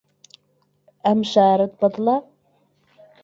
ئەم شارەت بەدڵە؟